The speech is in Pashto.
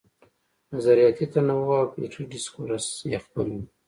نظریاتي تنوع او فکري ډسکورس یې خپل وي.